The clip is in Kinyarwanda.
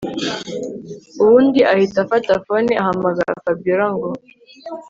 ubundi ahita afata phone ahamagara Fabiora ngo